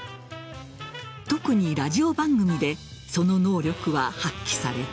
特にラジオ番組でその能力は発揮された。